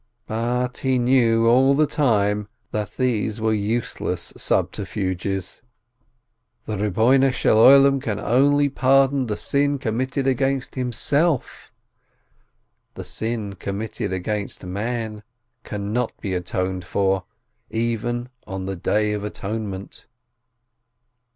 " But he knew all the time that these were useless subterfuges; the Lord of the Universe can only pardon the sin committed against Himself, the sin committed against man cannot be atoned for even on the Day of Atonement!